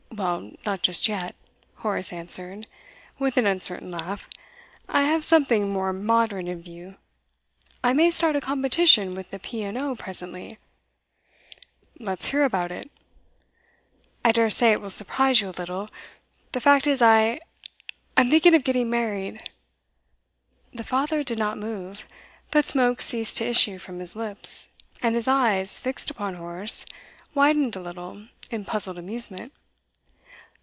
'Well, not just yet,' Horace answered, with an uncertain laugh. 'I have something more moderate in view. I may start a competition with the P. and O. presently.' 'Let's hear about it.' 'I dare say it will surprise you a little. The fact is, I I am thinking of getting married.' The father did not move, but smoke ceased to issue from his lips, and his eyes, fixed upon Horace, widened a little in puzzled amusement.